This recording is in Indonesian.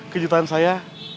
kec vegetarian saya